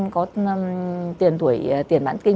có tiền bản kinh